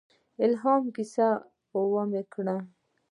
الهام کیسه وکړم.